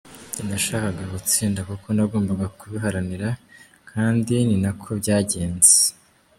Njye nashakaga gutsinda kuko nagombaga kubiharanira kandi ni nako byagenze.